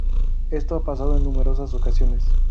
Esto ha pasado en numerosas ocasiones.